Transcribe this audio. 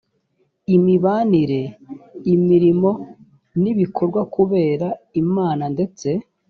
imibanire imirimo n ibikorwa kubera imana ndetse